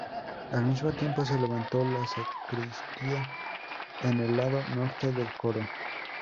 Al mismo tiempo se levantó la sacristía en el lado norte del coro.